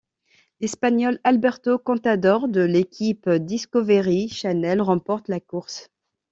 L'Espagnol Alberto Contador de l'équipe Discovery Channel remporte la course.